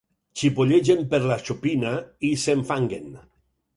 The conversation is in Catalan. Xipollegen per la xopina i s'enfanguen.